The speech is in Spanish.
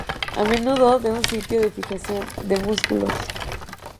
A menudo es un sitio de fijación de músculos.